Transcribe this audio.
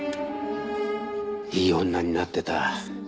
いい女になってた。